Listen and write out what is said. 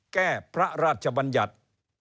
แก้พระราชบัญญัติ